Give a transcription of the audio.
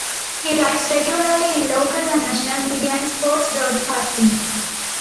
He writes regularly in local and national media in sports broadcasting.